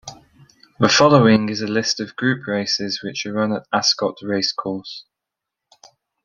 The following is a list of Group races which are run at Ascot Racecourse.